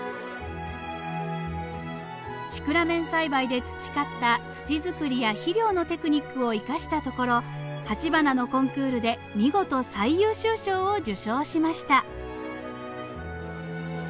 シクラメン栽培で培った土づくりや肥料のテクニックを生かしたところ鉢花のコンクールで見事最優秀賞を受賞しました。